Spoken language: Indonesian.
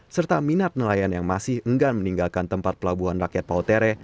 serta minat nelayan yang masih enggan meninggalkan tempat pelabuhan rakyat pautere